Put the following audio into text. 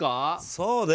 そうね